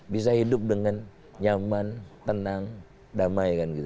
bisa hidup dengan nyaman tenang damai